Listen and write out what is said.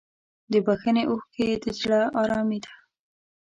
د بښنې اوښکې د زړه ارامي ده.